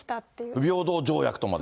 不平等条約とまで。